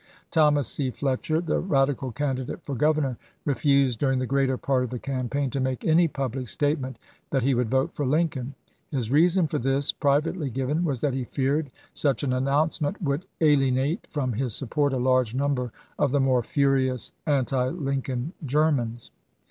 Thomas C. Fletcher, the Radical candidate for governor, refused during the greater part of the campaign to make any public statement that he would vote for Lincoln. His reason for this, pri vately given, was that he feared such an announce ment would alienate from his support a large number of the more furious anti Lincoln Germans.